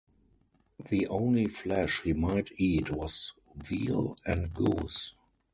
The only flesh he might eat was veal and goose.